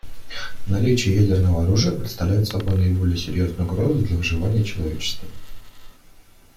Наличие ядерного оружия представляет собой наиболее серьезную угрозу для выживания человечества.